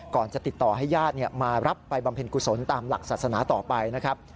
ก่อนจะติดต่อให้ญาติมารับไปบำเพ็ญกุศลตามหลักศาสนาต่อไปนะครับ